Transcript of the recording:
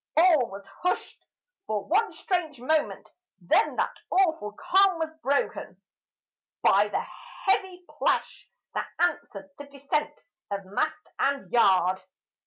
All was hushed for one strange moment; then that awful calm was broken By the heavy plash that answered the descent of mast and yard.